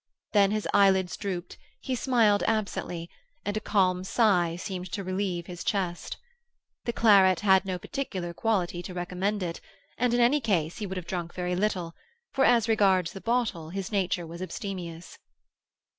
Then his eyelids drooped, he smiled absently, and a calm sigh seemed to relieve his chest. The claret had no particular quality to recommend it, and in any case he would have drunk very little, for as regards the bottle his nature was abstemious.